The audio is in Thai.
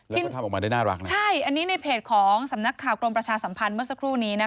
ที่มันทำออกมาได้น่ารักนะใช่อันนี้ในเพจของสำนักข่าวกรมประชาสัมพันธ์เมื่อสักครู่นี้นะคะ